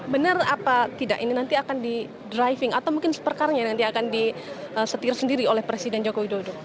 benar apa tidak ini nanti akan di driving atau mungkin supercarnya nanti akan disetir sendiri oleh presiden joko widodo